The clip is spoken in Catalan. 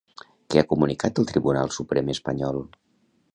Què ha comunicat el Tribunal Suprem espanyol?